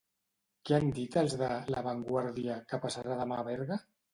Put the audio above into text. Què han dit els de "La Vanguardia" que passarà demà a Berga?